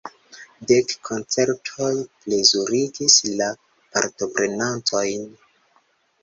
Dek koncertoj plezurigis la partoprenantojn.